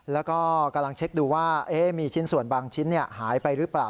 แล้วก็กำลังเช็คดูว่ามีชิ้นส่วนบางชิ้นหายไปหรือเปล่า